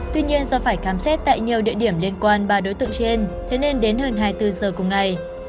tuy nhiên do phải khám xét tại nhiều địa điểm liên quan ba đối tượng trên thế nên đến hơn hai mươi bốn giờ cùng ngày